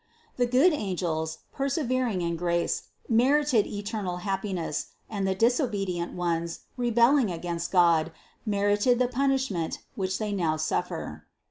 The good angels, persevering in grace, merited eternal happiness and the disobedient ones, rebelling against God, merited the pun ishment, which they now suffer.